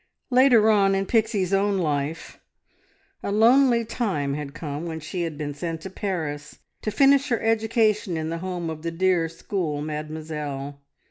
Later on, in Pixie's own life, a lonely time had come when she had been sent to Paris, to finish her education in the home of the dear school Mademoiselle.